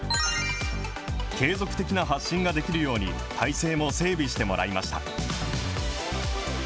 継続的な発信ができるように、体制も整備してもらいました。